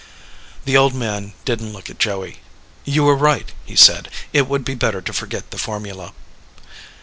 The old man didn't look at Joey. "You were right," he said. "It would be better to forget the formula."